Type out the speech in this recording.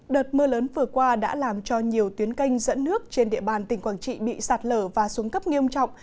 đợt mưa lớn vừa qua đã làm cho nhiều tuyến canh dẫn nước trên địa bàn tỉnh quảng trị bị sạt lở và xuống cấp nghiêm trọng